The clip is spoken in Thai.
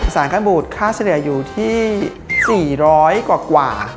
สารไก่บูตรค่าเสรียอยู่ที่๔๐๐กว่า